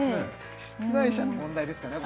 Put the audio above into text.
出題者の問題ですかね